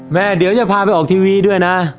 เดี๋ยวจะพาไปออกทีวีด้วยนะ